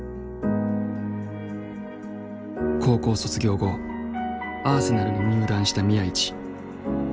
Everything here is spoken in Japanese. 高校卒業後アーセナルに入団した宮市。